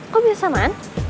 kok biasa man